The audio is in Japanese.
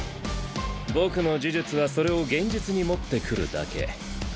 僕の呪術はそれを現実に持ってくるだけ。